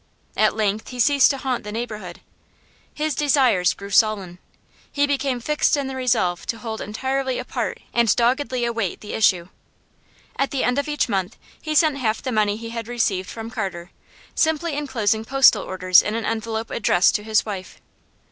At length he ceased to haunt the neighbourhood. His desires grew sullen; he became fixed in the resolve to hold entirely apart and doggedly await the issue. At the end of each month he sent half the money he had received from Carter, simply enclosing postal orders in an envelope addressed to his wife.